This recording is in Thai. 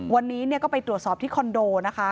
วันนี้ก็ไปตรวจสอบที่คอนโดนะคะ